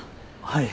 はい。